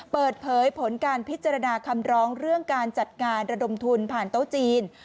เปิดเผยผลการพิจารณาคำร้องเรื่องการจัดงานระดมทุนผ่านโต๊ะจีน